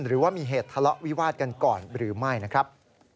หรือว่ามีเหตุทะเลาะวิวาดกันก่อนหรือไม่นะครับ